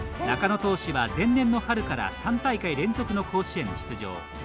中野投手は、前年の春から３大会連続の甲子園出場。